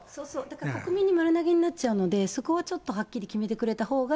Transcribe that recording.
国民に丸投げになっちゃうので、そこはちょっとはっきり決めてくれたほうが。